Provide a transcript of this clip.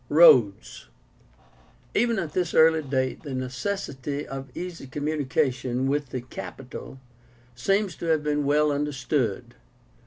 ROADS. Even at this early date, the necessity of easy communication with the capital seems to have been well understood.